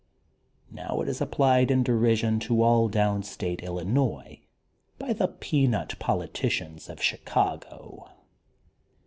Now it is applied in derision to all down state Illi nois, by the peanut politicians of Chicago.